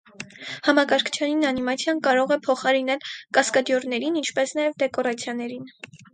Հանակարգչային անիմացիան կարող է փոխարինել կասկադյորներին, ինչպես նաև դեկորացիաներին։